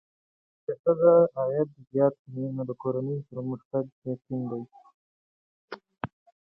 که ښځه عاید زیات کړي، نو د کورنۍ پرمختګ یقیني دی.